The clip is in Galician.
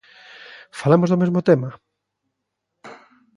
¿Falamos do mesmo tema?